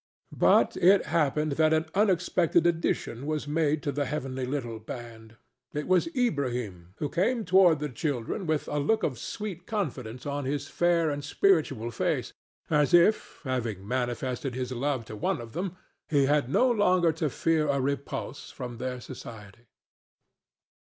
But it happened that an unexpected addition was made to the heavenly little band. It was Ilbrahim, who came toward the children with a look of sweet confidence on his fair and spiritual face, as if, having manifested his love to one of them, he had no longer to fear a repulse from their society.